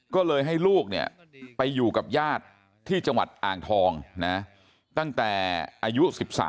ก็เลยให้ลูกไปอยู่กับญาติที่จังหวัดอ่างทองนะตั้งแต่อายุ๑๓